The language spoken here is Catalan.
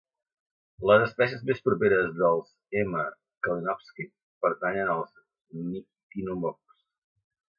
Les espècies més properes dels "M. Kalinowski" pertanyen als "Nyctinomops".